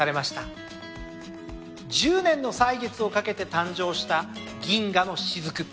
１０年の歳月をかけて誕生した銀河のしずく。